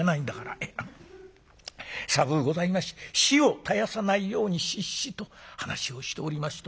あっ寒うございまして火を絶やさないように『火っ火っ！』と話をしておりました」。